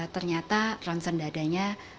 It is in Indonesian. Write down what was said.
ternyata rangsang dadanya